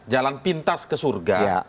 jalan pintas ke surga